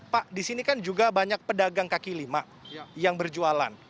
pak di sini kan juga banyak pedagang kaki lima yang berjualan